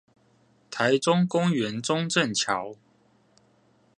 臺中公園中正橋